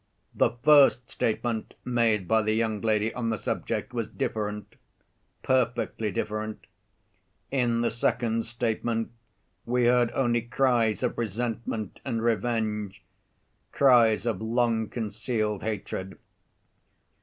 The first statement made by the young lady on the subject was different, perfectly different. In the second statement we heard only cries of resentment and revenge, cries of long‐concealed hatred.